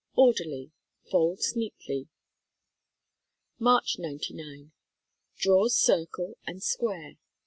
Orderly. Folds neatly. March, '99. Draws circle and square.